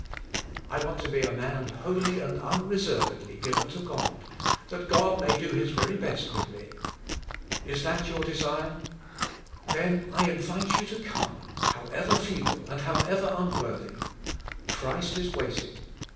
I want to be a man wholly and unreservedly given to God, that God may do His very best with me." Is that your desire? Then I invite you to come, however feeble and however unworthy. Christ is waiting.